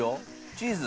チーズ？